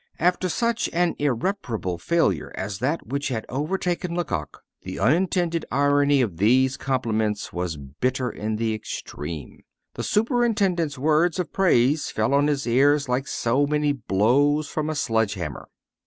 After such an irreparable failure as that which had overtaken Lecoq, the unintended irony of these compliments was bitter in the extreme. The superintendent's words of praise fell on his ears like so many blows from a sledge hammer.